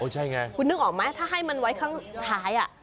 ใช่ไงคุณนึกออกไหมถ้าให้มันไว้ข้างท้าย